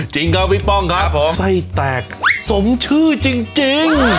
จริงครับพี่ป้องครับผมไส้แตกสมชื่อจริง